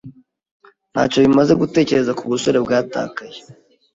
Ntacyo bimaze gutekereza ku busore bwatakaye.